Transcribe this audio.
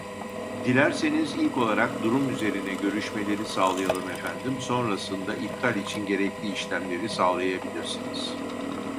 Dilerseniz ilk olarak durum üzerine görüşmeleri sağlayalım efendim sonrasında iptal için gerekli işlemleri sağlayabilirsiniz